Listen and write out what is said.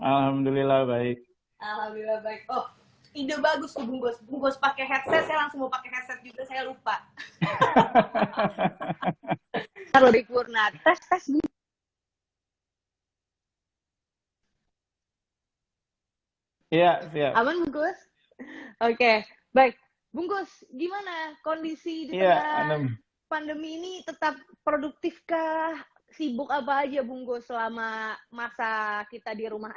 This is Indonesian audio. hai alhamdulillah baik alhamdulillah baik actually banyak oh itu bagus aparecer